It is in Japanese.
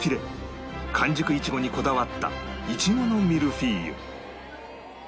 完熟イチゴにこだわったイチゴのミルフィーユ